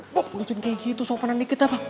pok pencin kayak gitu sopanan dikit apa